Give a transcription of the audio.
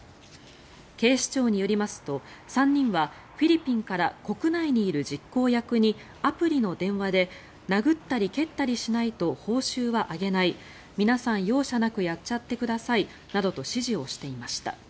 警視庁によりますと３人はフィリピンから国内にいる実行役にアプリの電話で殴ったり蹴ったりしないと報酬はあげない皆さん、容赦なくやっちゃってくださいなどと指示をしていました。